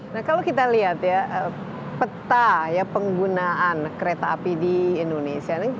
nah kalau kita lihat ya peta ya penggunaan kereta api di indonesia